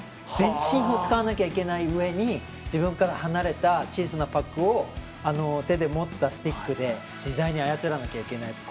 全身を使わなきゃいけないうえに自分から離れた小さなパックを手で持ったスティックで自在に操らないといけない。